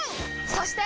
そして！